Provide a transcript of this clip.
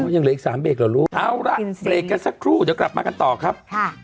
ยังเหลืออีกสามเบรกเหรอลูกเอาล่ะเบรกกันสักครู่เดี๋ยวกลับมากันต่อครับค่ะ